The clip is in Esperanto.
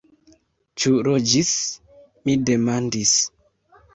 Ĉu loĝis? mi demandis.